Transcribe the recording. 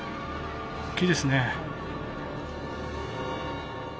大きいですね。